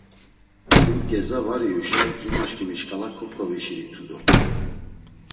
“Him ǩeza var iyuşa cumaşǩimi şǩala koǩovişiritu dort̆u.